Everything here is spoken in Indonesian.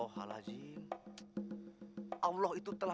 kan gue jadi sedih